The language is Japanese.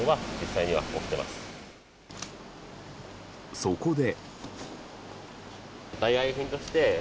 そこで。